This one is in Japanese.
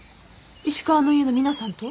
石川の家の皆さんと？